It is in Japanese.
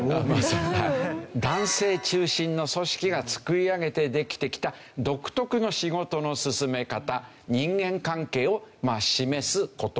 男性中心の組織が作り上げてできてきた独特の仕事の進め方人間関係を示す言葉という事ですね。